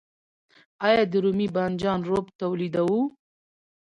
آیا د رومي بانجان رب تولیدوو؟